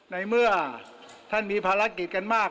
ในเมื่อท่านมีภารกิจกันมาก